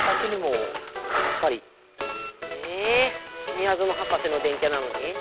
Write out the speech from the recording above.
⁉みやぞの博士の電キャなのに？